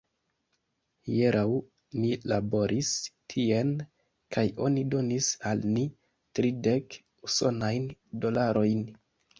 Hieraŭ ni laboris tien kaj oni donis al ni tridek usonajn dolarojn.